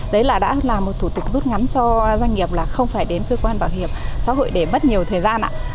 đấy là đã là một thủ tục rút ngắn cho doanh nghiệp là không phải đến cơ quan bảo hiểm xã hội để mất nhiều thời gian